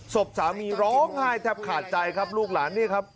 ศพสามีร้องไห้แทบขาดใจครับลูกหลานนี่ครับ